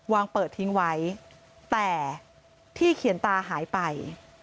วางเปิดทิ้งไว้แต่ที่เขียนตาหายไป